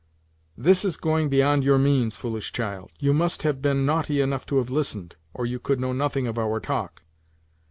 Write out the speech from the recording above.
"This is going beyond your means, foolish child; you must have been naughty enough to have listened, or you could know nothing of our talk."